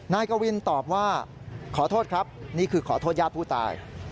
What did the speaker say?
นายกวินตอบว่าขอโทษครับนี่คือขอโทษญาติผู้ตาย